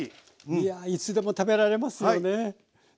いやいつでも食べられますよね。